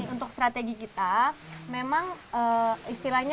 untuk strategi kita memang istilahnya